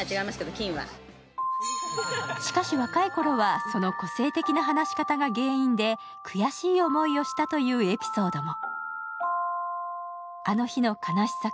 しかし、若いころはその個性的な話し方が原因で悔しい思いをしたというエピソードも。